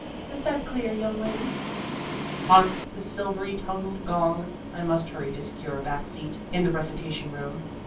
Is that clear, young ladies ?) Hark ! the silvery toned gong ! I must hurry to secure a back seat in the recita tion room.